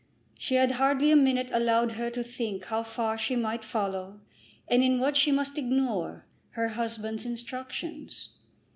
She had hardly a minute allowed her to think how far she might follow, and in what she must ignore, her husband's instructions.